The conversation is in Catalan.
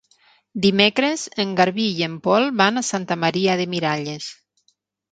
Dimecres en Garbí i en Pol van a Santa Maria de Miralles.